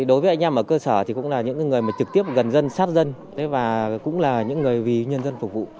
đối với anh em ở cơ sở thì cũng là những người mà trực tiếp gần dân sát dân và cũng là những người vì nhân dân phục vụ